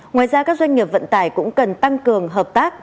ngoài ra các doanh nghiệp vận tải cũng cần tăng cường hợp tác